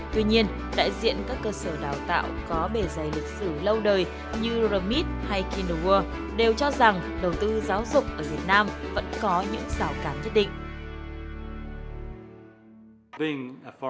tuy nhiên đại diện các cơ sở đào tạo có bề dày lịch sử lâu đời như ramit hay kindle world đều cho rằng đầu tư giáo dục ở việt nam vẫn có những giáo cán nhất định